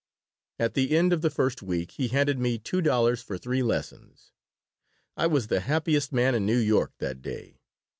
At the end of the first week he handed me two dollars for three lessons I was the happiest man in New York that day.